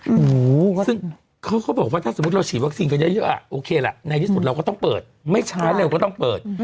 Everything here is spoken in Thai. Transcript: หูซึ่งเขาก็บอกว่าถ้าสมมุติเราฉีดวัคซีนกันเยอะอ่ะโอเคละในที่สุดเราก็ต้องเปิดไม่ช้าเร็วก็ต้องเปิด